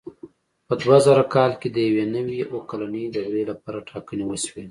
په دوه زره کال کې د یوې نوې اووه کلنې دورې لپاره ټاکنې وشوې.